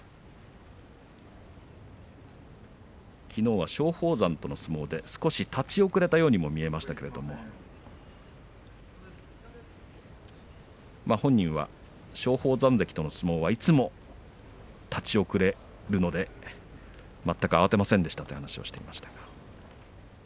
きのうは松鳳山との相撲で少し立ち遅れたようにも見えましたけれども本人は松鳳山関との相撲はいつも、立ち遅れるので全く慌てませんでしたという話をしていました。